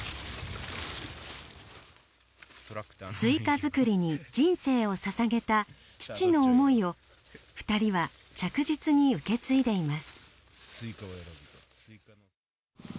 スイカ作りに人生を捧げた父の思いを２人は着実に受け継いでいます。